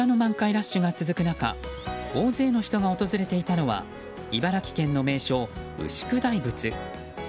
ラッシュが続く中大勢の人が訪れていたのは茨城県の名所、牛久大仏。